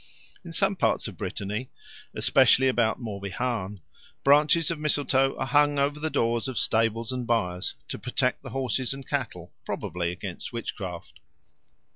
In some parts of Brittany, especially about Morbihan, branches of mistletoe are hung over the doors of stables and byres to protect the horses and cattle, probably against witchcraft.